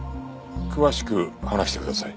詳しく話してください。